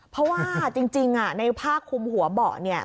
เพราะว่าจริงในผ้าคุมหัวเบาะเนี่ย